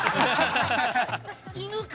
◆犬か！